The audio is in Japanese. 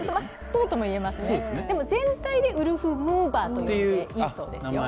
そうともいえますが、全体でウルフムーバーということでいいんだそうですよ。